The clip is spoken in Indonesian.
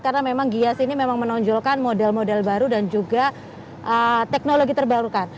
karena memang giais ini memang menonjolkan model model baru dan juga teknologi terbarukan